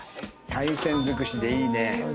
海鮮尽くしでいいね。